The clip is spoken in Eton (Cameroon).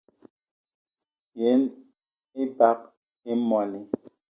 Yen ebag í moní